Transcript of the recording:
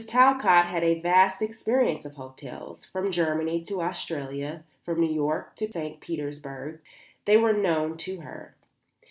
Talcott had a vast experience of hotels. From Germany to Australia, from New York to St. Petersburg, they were known to her.